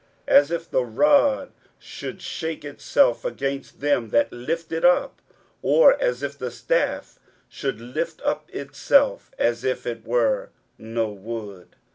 as if the rod should shake itself against them that lift it up, or as if the staff should lift up itself, as if it were no wood.